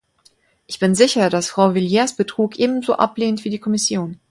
Ich bin sicher, dass Frau Villiers Betrug ebenso ablehnt wie die Kommission.